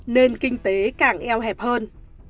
nên kinh tế càng eo hẹp hơn